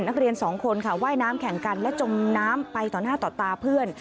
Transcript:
นักเรียนสองคนค่ะว่ายน้ำแข่งกันและจมน้ำไปต่อหน้าต่อตาเพื่อน